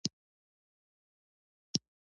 دولتونه عواید څارنه کوي.